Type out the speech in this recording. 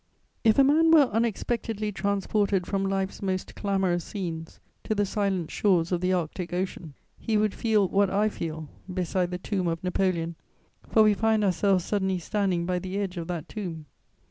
If a man were unexpectedly transported from life's most clamorous scenes to the silent shores of the Arctic Ocean, he would feel what I feel beside the tomb of Napoleon, for we find ourselves suddenly standing by the edge of that tomb.